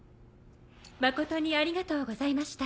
誠にありがとうございました。